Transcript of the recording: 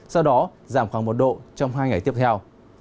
sau đó giảm khoảng một độ trong hai ngày tiếp theo